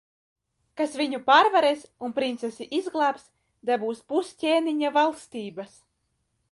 Kas viņu pārvarēs un princesi izglābs, dabūs pus ķēniņa valstības.